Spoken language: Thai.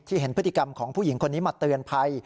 เห็นพฤติกรรมของผู้หญิงคนนี้มาเตือนภัย